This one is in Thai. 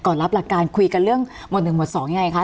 ก่อนรับหลักการคุยกับเรื่องหมวดหนึ่งหมวดสองยังไงคะ